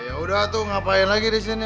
ya udah tuh ngapain lagi disini